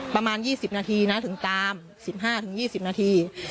ประมาณ๒๐นาทีนะถึงตาม๑๕๒๐นาที